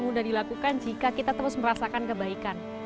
mudah dilakukan jika kita terus merasakan kebaikan